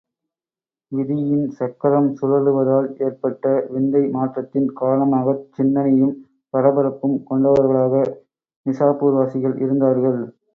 விதியின் சக்கரம் சுழலுவதால் ஏற்பட்ட விந்தை மாற்றத்தின் காரணமாகச் சிந்தனையும் பரபரப்பும் கொண்டவர்களாக நிசாப்பூர்வாசிகள் இருந்தார்கள்.